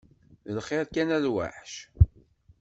D lxir kan a lwaḥc?